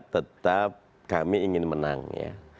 tetap kami ingin menang